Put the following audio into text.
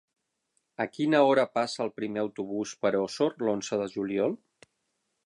A quina hora passa el primer autobús per Osor l'onze de juliol?